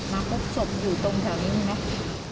มาพบศพอยู่ตรงแถวนี้มั้ย